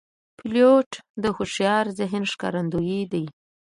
پیلوټ د هوښیار ذهن ښکارندوی دی.